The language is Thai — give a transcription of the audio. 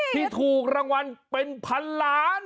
ที่ถูกรางวัลเป็นพันล้าน